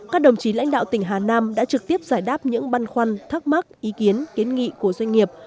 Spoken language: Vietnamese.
các đồng chí lãnh đạo tỉnh hà nam đã trực tiếp giải đáp những băn khoăn thắc mắc ý kiến kiến nghị của doanh nghiệp